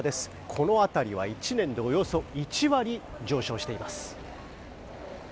この辺りは１年でおよそ１割上昇しています。